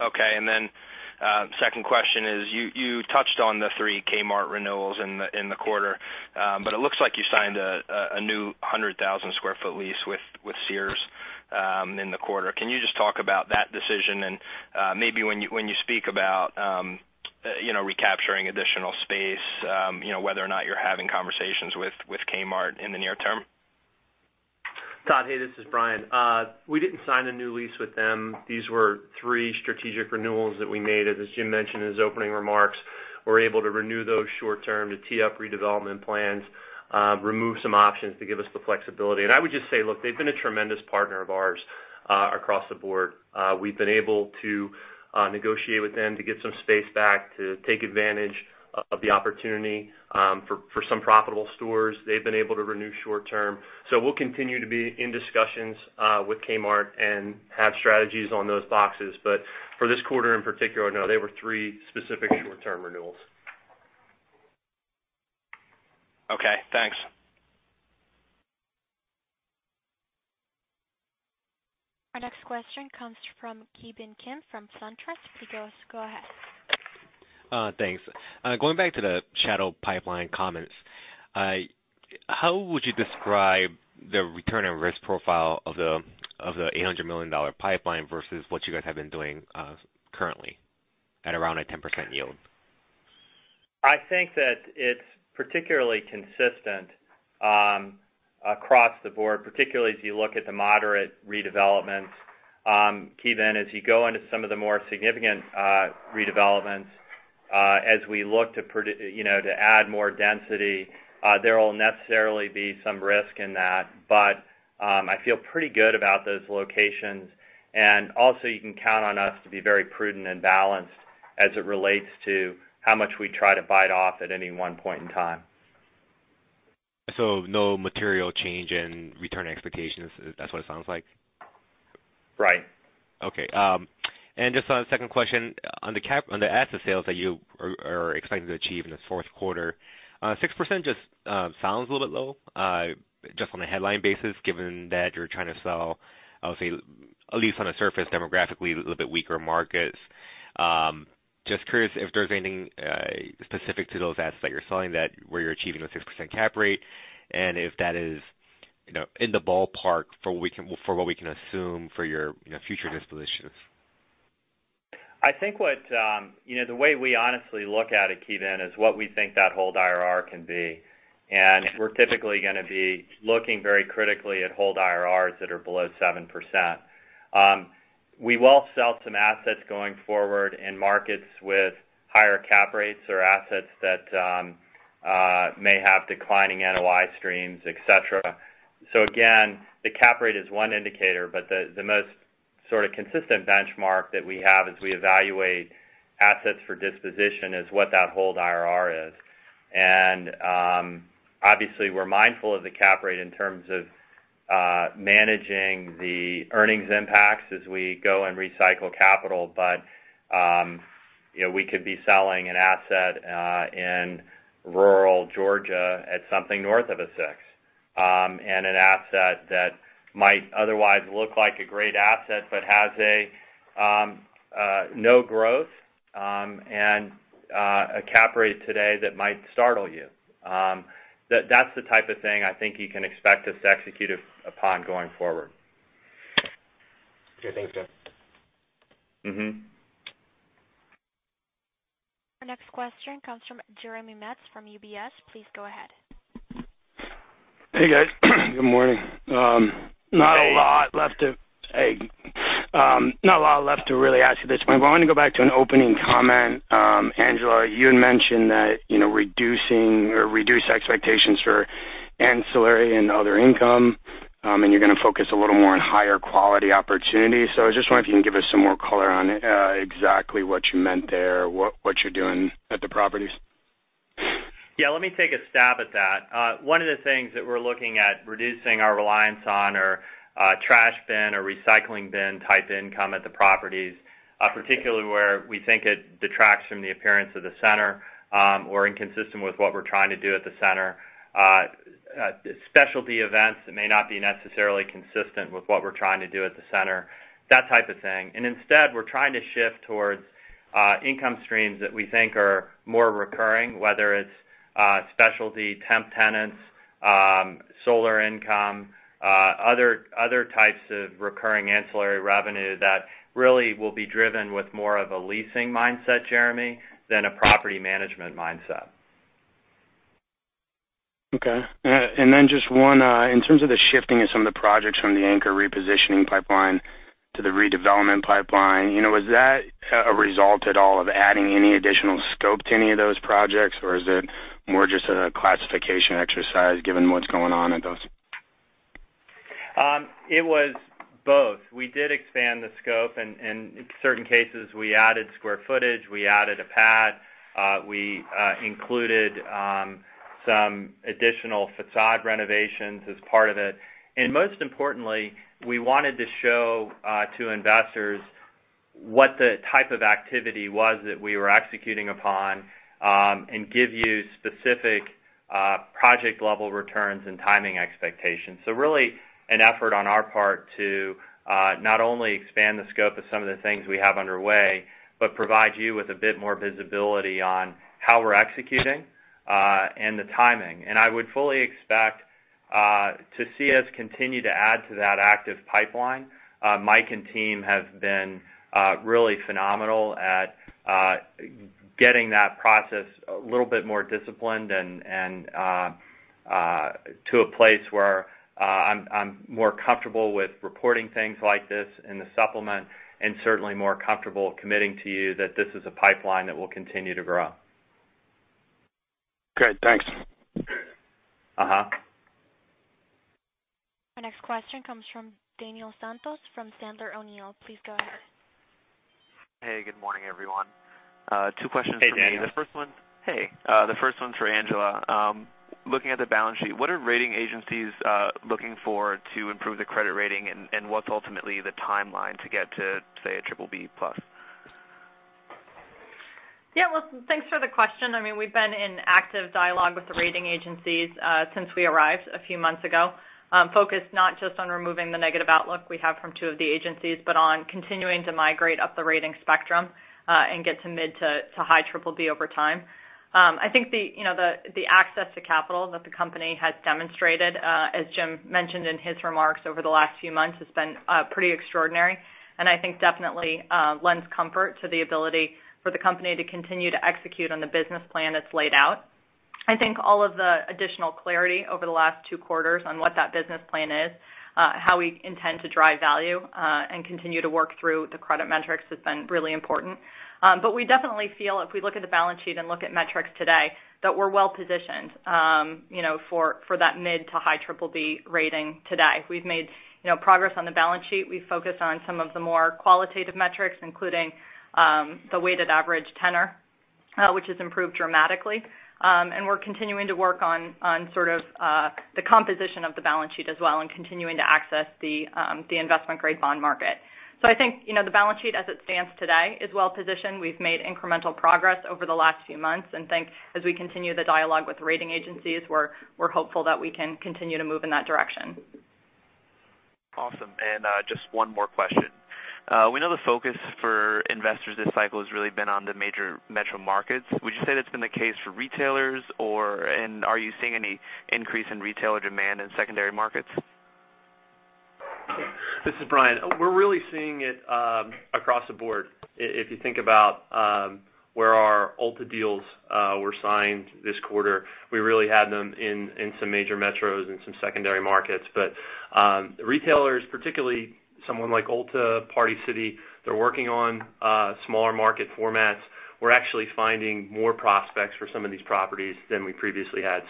Okay. The second question is, you touched on the three Kmart renewals in the quarter, but it looks like you signed a new 100,000 square foot lease with Sears in the quarter. Can you just talk about that decision and maybe when you speak about recapturing additional space, whether or not you're having conversations with Kmart in the near term? Todd, hey, this is Brian. We didn't sign a new lease with them. These were three strategic renewals that we made. As Jim mentioned in his opening remarks, we're able to renew those short-term to tee up redevelopment plans, remove some options to give us the flexibility. I would just say, look, they've been a tremendous partner of ours, across the board. We've been able to negotiate with them to get some space back to take advantage of the opportunity, for some profitable stores. They've been able to renew short-term. We'll continue to be in discussions with Kmart and have strategies on those boxes. But for this quarter in particular, no, they were three specific short-term renewals. Okay, thanks. Our next question comes from Ki Bin Kim from SunTrust. Please go ahead. Thanks. Going back to the shadow pipeline comments, how would you describe the return on risk profile of the $800 million pipeline versus what you guys have been doing currently at around a 10% yield? I think that it's particularly consistent across the board, particularly as you look at the moderate redevelopments. Ki Bin, as you go into some of the more significant redevelopments, as we look to add more density, there will necessarily be some risk in that. I feel pretty good about those locations. Also you can count on us to be very prudent and balanced as it relates to how much we try to bite off at any one point in time. No material change in return expectations, that's what it sounds like? Right. Okay. Just on a second question, on the asset sales that you are expecting to achieve in this fourth quarter, 6% just sounds a little bit low, just on a headline basis, given that you're trying to sell, I would say at least on a surface, demographically a little bit weaker markets. Just curious if there's anything specific to those assets that you're selling that where you're achieving a 6% cap rate and if that is in the ballpark for what we can assume for your future dispositions. I think the way we honestly look at it, Ki Bin, is what we think that hold IRR can be. We're typically going to be looking very critically at hold IRRs that are below 7%. We will sell some assets going forward in markets with higher cap rates or assets that may have declining NOI streams, et cetera. Again, the cap rate is one indicator, but the most sort of consistent benchmark that we have as we evaluate assets for disposition is what that hold IRR is. Obviously we're mindful of the cap rate in terms of managing the earnings impacts as we go and recycle capital. We could be selling an asset in rural Georgia at something north of a 6%, and an asset that might otherwise look like a great asset, but has no growth, and a cap rate today that might startle you. That's the type of thing I think you can expect us to execute upon going forward. Sure thing. Thanks, Jim. Our next question comes from Jeremy Metz from UBS. Please go ahead. Hey, guys. Good morning. Hey. Not a lot left to really ask you this, but I wanted to go back to an opening comment. Angela, you had mentioned that reduced expectations for ancillary and other income, and you're going to focus a little more on higher quality opportunities. I just wonder if you can give us some more color on exactly what you meant there, what you're doing at the properties. Yeah, let me take a stab at that. One of the things that we're looking at reducing our reliance on are trash bin or recycling bin type income at the properties, particularly where we think it detracts from the appearance of the center, or inconsistent with what we're trying to do at the center. Specialty events that may not be necessarily consistent with what we're trying to do at the center, that type of thing. Instead, we're trying to shift towards income streams that we think are more recurring, whether it's specialty temp tenants, solar income, other types of recurring ancillary revenue that really will be driven with more of a leasing mindset, Jeremy, than a property management mindset. Okay. Just one. In terms of the shifting of some of the projects from the anchor repositioning pipeline to the redevelopment pipeline, was that a result at all of adding any additional scope to any of those projects, or is it more just a classification exercise given what's going on at those? It was both. We did expand the scope, and in certain cases, we added square footage. We added a pad. We included some additional facade renovations as part of it. Most importantly, we wanted to show to investors what the type of activity was that we were executing upon, and give you specific project-level returns and timing expectations. Really, an effort on our part to not only expand the scope of some of the things we have underway, but provide you with a bit more visibility on how we're executing, and the timing. I would fully expect to see us continue to add to that active pipeline. Mike and team have been really phenomenal at getting that process a little bit more disciplined and to a place where I'm more comfortable with reporting things like this in the supplement, and certainly more comfortable committing to you that this is a pipeline that will continue to grow. Good. Thanks. Our next question comes from Daniel Santos from Sandler O'Neill. Please go ahead. Hey, good morning, everyone. Two questions for me. Hey, Daniel. Hey. The first one's for Angela. Looking at the balance sheet, what are rating agencies looking for to improve the credit rating, and what's ultimately the timeline to get to, say, a BBB+? Yeah. Well, thanks for the question. We've been in active dialogue with the rating agencies since we arrived a few months ago, focused not just on removing the negative outlook we have from two of the agencies, but on continuing to migrate up the rating spectrum, and get to mid to high BBB over time. I think the access to capital that the company has demonstrated, as Jim mentioned in his remarks over the last few months, has been pretty extraordinary. I think definitely lends comfort to the ability for the company to continue to execute on the business plan it's laid out. I think all of the additional clarity over the last two quarters on what that business plan is, how we intend to drive value, and continue to work through the credit metrics has been really important. We definitely feel, if we look at the balance sheet and look at metrics today, that we're well-positioned for that mid to high BBB rating today. We've made progress on the balance sheet. We've focused on some of the more qualitative metrics, including the weighted average tenor, which has improved dramatically. We're continuing to work on sort of the composition of the balance sheet as well and continuing to access the investment-grade bond market. I think the balance sheet as it stands today is well-positioned. We've made incremental progress over the last few months, and think as we continue the dialogue with rating agencies, we're hopeful that we can continue to move in that direction. Awesome. Just one more question. We know the focus for investors this cycle has really been on the major metro markets. Would you say that's been the case for retailers, and are you seeing any increase in retailer demand in secondary markets? This is Brian. We're really seeing it across the board. If you think about where our Ulta deals were signed this quarter, we really had them in some major metros and some secondary markets. Retailers, particularly someone like Ulta, Party City, they're working on smaller market formats. We're actually finding more prospects for some of these properties than we previously had.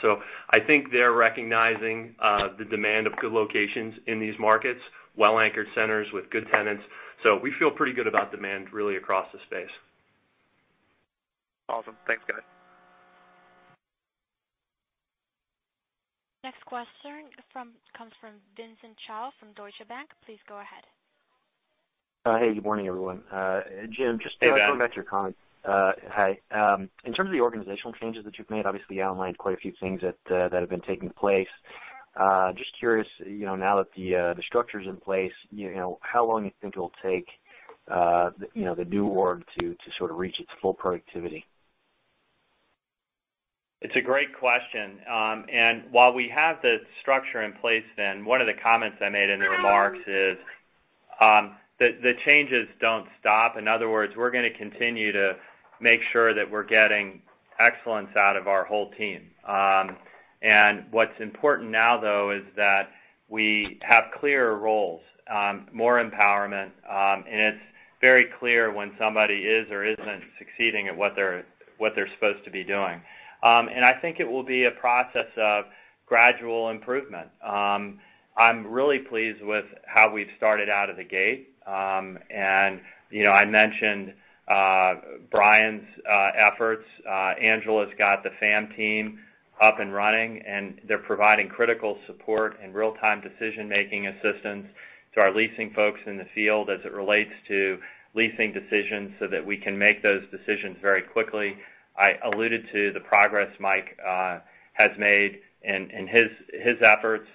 I think they're recognizing the demand of good locations in these markets, well-anchored centers with good tenants. We feel pretty good about demand really across the space. Awesome. Thanks, guys. Next question comes from Vincent Chao from Deutsche Bank. Please go ahead. Hey, good morning, everyone. Jim. Hey, Vin. Just going back to your comment. Hi. In terms of the organizational changes that you've made, obviously you outlined quite a few things that have been taking place. Just curious, now that the structure's in place, how long you think it'll take the new org to sort of reach its full productivity? It's a great question. While we have the structure in place Vin, one of the comments I made in the remarks is that the changes don't stop. In other words, we're going to continue to make sure that we're getting excellence out of our whole team. What's important now, though, is that we have clearer roles, more empowerment, and it's very clear when somebody is or isn't succeeding at what they're supposed to be doing. I think it will be a process of gradual improvement. I'm really pleased with how we've started out of the gate. I mentioned Brian's efforts. Angela's got the FAM team up and running, and they're providing critical support and real-time decision-making assistance to our leasing folks in the field as it relates to leasing decisions so that we can make those decisions very quickly. I alluded to the progress Mike has made in his efforts.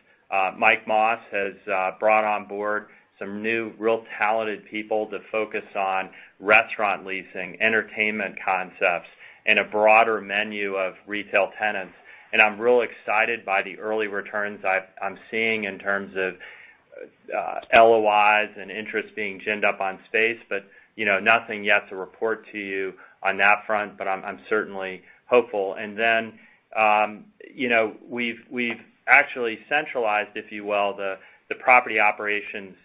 Mike Moss has brought on board Some new real talented people to focus on restaurant leasing, entertainment concepts, and a broader menu of retail tenants. I'm real excited by the early returns I'm seeing in terms of LOIs and interest being ginned up on space, but nothing yet to report to you on that front, but I'm certainly hopeful. We've actually centralized, if you will, the property operations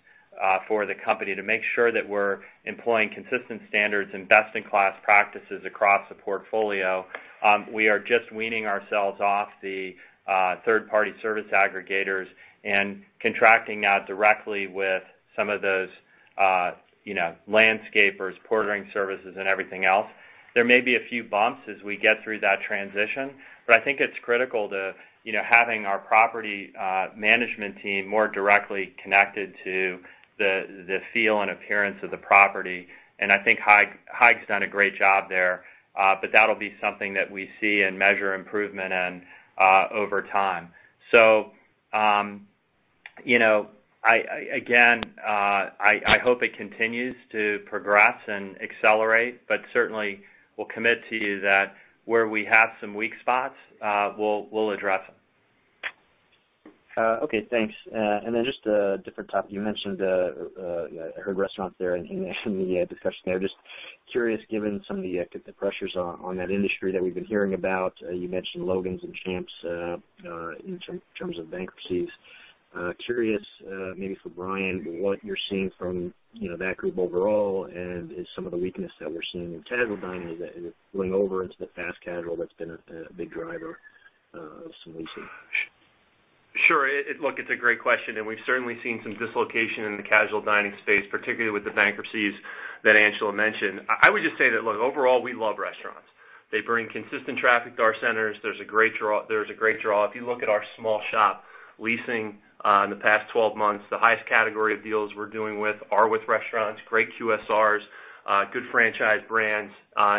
for the company to make sure that we're employing consistent standards, and best-in-class practices across the portfolio. We are just weaning ourselves off the third-party service aggregators and contracting now directly with some of those landscapers, portering services, and everything else. There may be a few bumps as we get through that transition, I think it's critical to having our property management team more directly connected to the feel and appearance of the property, and I think Haig's done a great job there. That'll be something that we see and measure improvement in over time. Again, I hope it continues to progress and accelerate, but certainly, we'll commit to you that where we have some weak spots, we'll address them. Okay, thanks. Just a different topic. You mentioned, I heard restaurants there in the discussion there. Just curious, given some of the pressures on that industry that we've been hearing about. You mentioned Logan's and Champps in terms of bankruptcies. Curious, maybe for Brian, what you're seeing from that group overall, and is some of the weakness that we're seeing in casual dining, is it bleeding over into the fast casual that's been a big driver of some leasing? Sure. Look, it's a great question, and we've certainly seen some dislocation in the casual dining space, particularly with the bankruptcies that Angela mentioned. I would just say that, look, overall, we love restaurants. They bring consistent traffic to our centers. There's a great draw. If you look at our small shop leasing in the past 12 months, the highest category of deals we're doing with are with restaurants, great QSRs, good franchise brands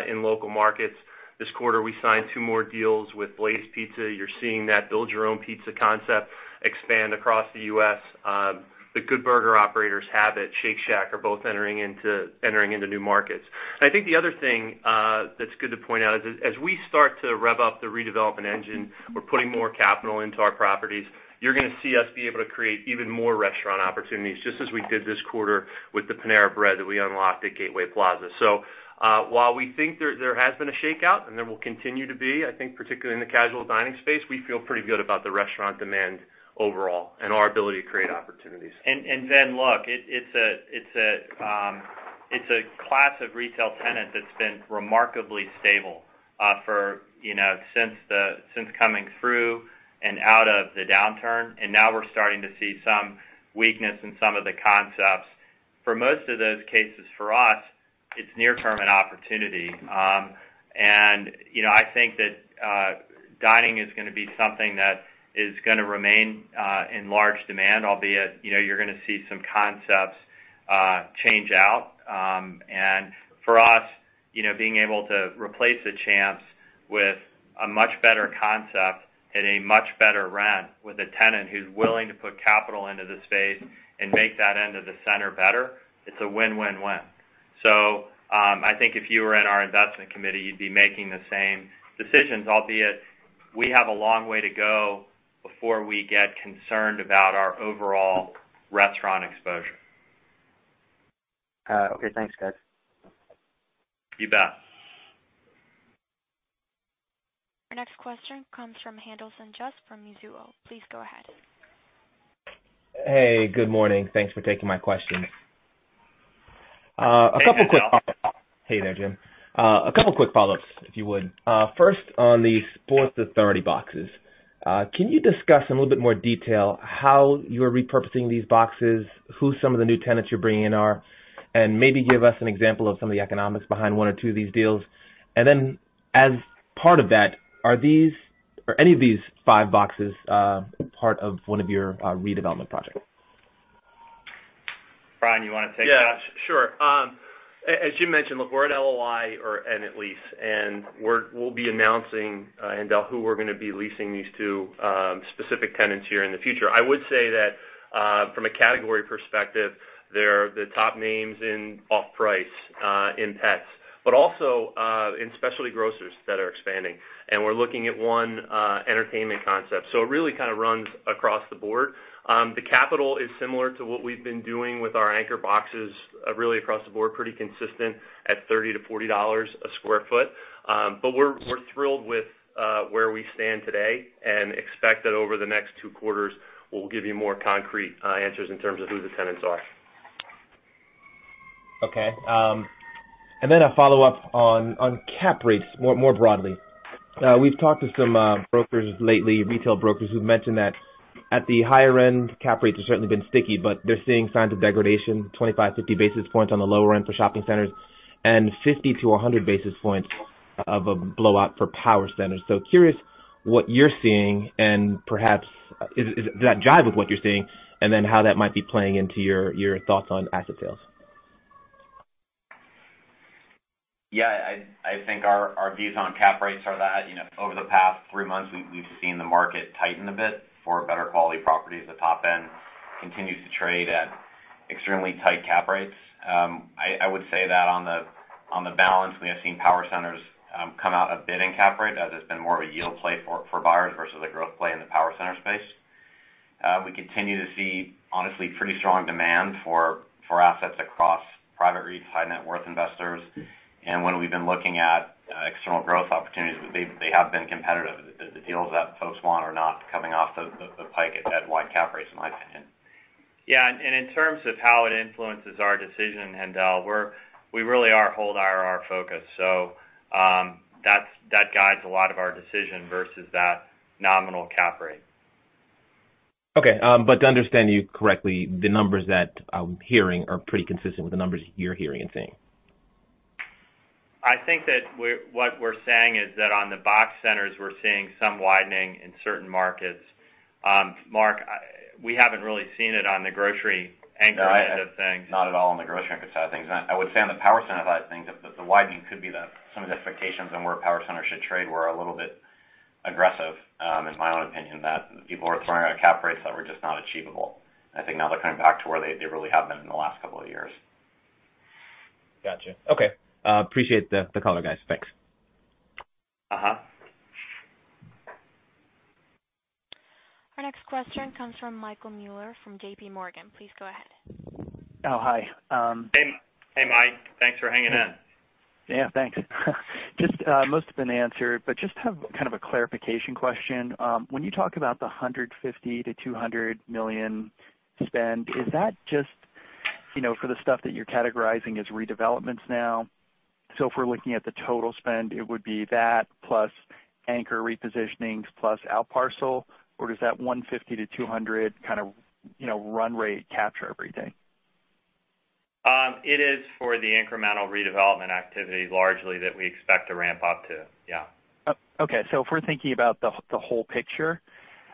in local markets. This quarter, we signed two more deals with Blaze Pizza. You're seeing that build-your-own-pizza concept expand across the U.S. The Good Burger operators, Habit, Shake Shack, are both entering into new markets. I think the other thing that's good to point out is as we start to rev up the redevelopment engine, we're putting more capital into our properties. You're going to see us be able to create even more restaurant opportunities, just as we did this quarter with the Panera Bread that we unlocked at Gateway Plaza. While we think there has been a shakeout and there will continue to be, I think particularly in the casual dining space, we feel pretty good about the restaurant demand overall and our ability to create opportunities. Look, it's a class of retail tenant that's been remarkably stable since coming through and out of the downturn, and now we're starting to see some weakness in some of the concepts. For most of those cases for us, it's near-term an opportunity. I think that dining is going to be something that is going to remain in large demand, albeit, you're going to see some concepts change out. For us, being able to replace a Champps with a much better concept at a much better rent with a tenant who's willing to put capital into the space and make that end of the center better, it's a win-win-win. I think if you were in our investment committee, you'd be making the same decisions, albeit we have a long way to go before we get concerned about our overall restaurant exposure. Okay, thanks guys. You bet. Our next question comes from Haendel St. Juste from Mizuho. Please go ahead. Hey, good morning. Thanks for taking my question. Hey, Haendel. Hey there, Jim. A couple quick follow-ups, if you would. First, on the Sports Authority boxes. Can you discuss in a little bit more detail how you are repurposing these boxes, who some of the new tenants you're bringing in are, and maybe give us an example of some of the economics behind one or two of these deals. Then as part of that, are any of these five boxes part of one of your redevelopment projects? Brian, you want to take that? Yeah, sure. As Jim mentioned, look, we're at LOI or/and at lease, we'll be announcing who we're going to be leasing these to, specific tenants here in the future. I would say that, from a category perspective, they're the top names in off-price, in pets, also in specialty grocers that are expanding. We're looking at one entertainment concept. It really kind of runs across the board. The capital is similar to what we've been doing with our anchor boxes, really across the board, pretty consistent at $30-$40 a sq ft. We're thrilled with where we stand today and expect that over the next two quarters, we'll give you more concrete answers in terms of who the tenants are. Okay. Then a follow-up on cap rates more broadly. We've talked to some brokers lately, retail brokers, who've mentioned that at the higher end, cap rates have certainly been sticky, they're seeing signs of degradation, 25, 50 basis points on the lower end for shopping centers, 50-100 basis points of a blowout for power centers. Curious what you're seeing, perhaps does that jive with what you're seeing, then how that might be playing into your thoughts on asset sales? Yeah, I think our views on cap rates are that over the past three months, we've seen the market tighten a bit for better-quality properties. The top end continues to trade at extremely tight cap rates. I would say that on the balance, we have seen power centers come out a bit in cap rate, as it's been more of a yield play for buyers versus a growth play in the power center space. We continue to see, honestly, pretty strong demand for assets across private REITs, high-net-worth investors. And when we've been looking at external growth opportunities, they have been competitive. The deals that folks want are not coming off the pike at wide cap rates, in my opinion. Yeah. And in terms of how it influences our decision, Haendel, we really are hold IRR-focused. So, that guides a lot of our decision versus that nominal cap rate. Okay. But to understand you correctly, the numbers that I'm hearing are pretty consistent with the numbers you're hearing and seeing. I think that what we're saying is that on the box centers, we're seeing some widening in certain markets. Mark, we haven't really seen it on the grocery anchor end of things. Not at all on the grocery anchor side of things. I would say on the power center side of things, that the widening could be that some of the expectations on where power centers should trade were a little bit aggressive, in my own opinion, that people were throwing out cap rates that were just not achievable. I think now they're coming back to where they really have been in the last couple of years. Gotcha. Okay. Appreciate the color, guys. Thanks. Our next question comes from Michael Mueller from JPMorgan. Please go ahead. Oh, hi. Hey, Mike. Thanks for hanging in. Yeah, thanks. Most have been answered, just have kind of a clarification question. When you talk about the $150 million-$200 million spend, is that just for the stuff that you're categorizing as redevelopments now? If we're looking at the total spend, it would be that plus anchor repositionings plus outparcel? Or does that $150-$200 kind of run rate capture everything? It is for the incremental redevelopment activity, largely, that we expect to ramp up to. Yeah. Oh, okay. If we're thinking about the whole picture.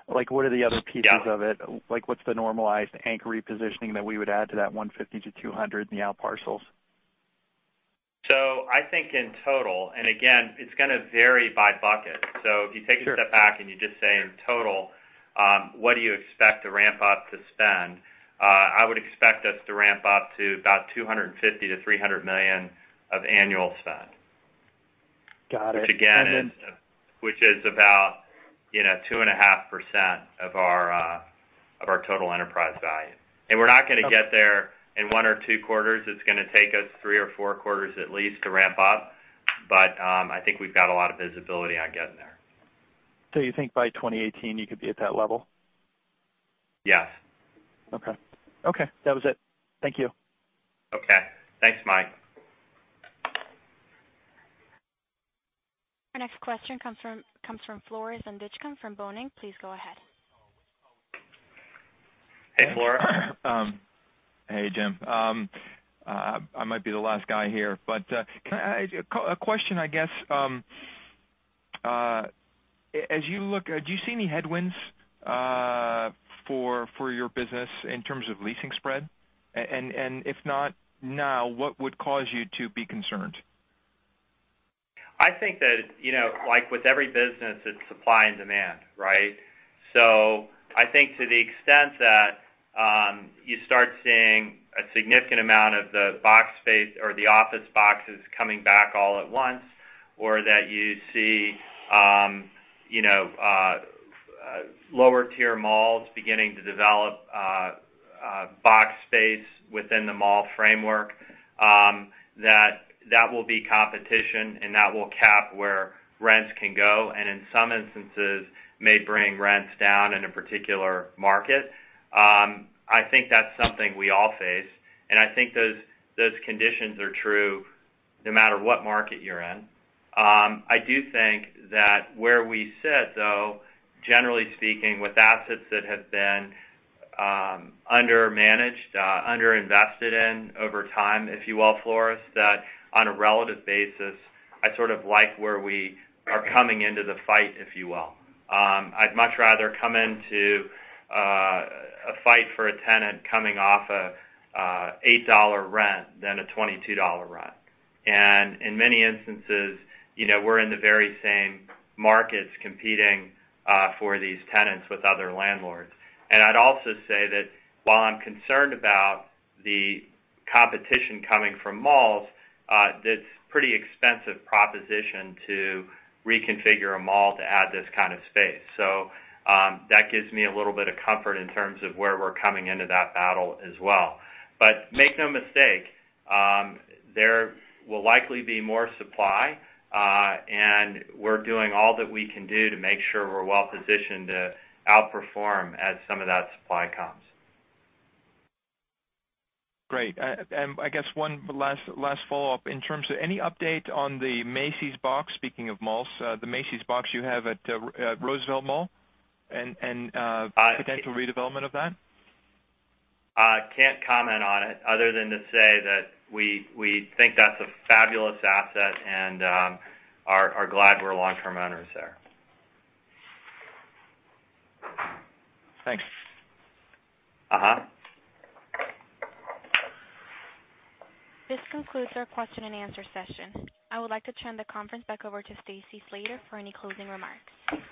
Yeah What are the other pieces of it? What's the normalized anchor repositioning that we would add to that $150-$200 in the outparcels? I think in total. Again, it's going to vary by bucket. Sure. If you take a step back and you just say, in total, what do you expect to ramp up to spend? I would expect us to ramp up to about $250 million-$300 million of annual spend. Got it. Then. Which is about 2.5% of our total enterprise value. We're not going to get there in one or two quarters. It's going to take us three or four quarters, at least, to ramp up. I think we've got a lot of visibility on getting there. You think by 2018 you could be at that level? Yes. Okay. That was it. Thank you. Okay. Thanks, Mike. Our next question comes from Floris van Dijkum from Boenning & Scattergood. Please go ahead. Hey, Floris. Hey, Jim. I might be the last guy here, a question, I guess. Do you see any headwinds for your business in terms of leasing spread? If not now, what would cause you to be concerned? I think that, like with every business, it's supply and demand, right? I think to the extent that you start seeing a significant amount of the box space or the office boxes coming back all at once, or that you see lower tier malls beginning to develop box space within the mall framework, that that will be competition and that will cap where rents can go, and in some instances, may bring rents down in a particular market. I think that's something we all face, and I think those conditions are true no matter what market you're in. I do think that where we sit, though, generally speaking, with assets that have been undermanaged, under-invested in over time, if you will, Floris, that on a relative basis, I sort of like where we are coming into the fight, if you will. I'd much rather come into a fight for a tenant coming off a $8 rent than a $22 rent. In many instances, we're in the very same markets competing for these tenants with other landlords. I'd also say that while I'm concerned about the competition coming from malls, that's pretty expensive proposition to reconfigure a mall to add this kind of space. That gives me a little bit of comfort in terms of where we're coming into that battle as well. Make no mistake, there will likely be more supply. We're doing all that we can do to make sure we're well-positioned to outperform as some of that supply comes. Great. I guess one last follow-up. In terms of any update on the Macy's box, speaking of malls, the Macy's box you have at Roosevelt Mall and potential redevelopment of that? I can't comment on it other than to say that we think that's a fabulous asset and are glad we're long-term owners there. Thanks. This concludes our question and answer session. I would like to turn the conference back over to Stacy Slater for any closing remarks.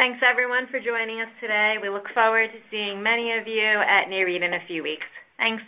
Thanks, everyone, for joining us today. We look forward to seeing many of you at Nareit in a few weeks. Thanks.